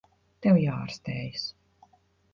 Tev jāārstējas.